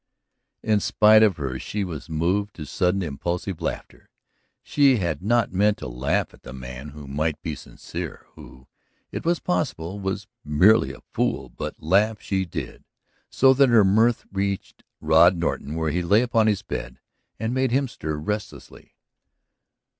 In spite of her she was moved to sudden, impulsive laughter. She had not meant to laugh at the man who might be sincere, who, it was possible, was merely a fool. But laugh she did, so that her mirth reached Rod Norton where he lay upon his bed and made him stir restlessly.